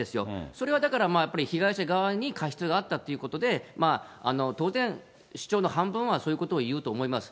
それはだから、やっぱり被害者側に過失があったということで、当然、主張の半分はそういうことを言うと思います。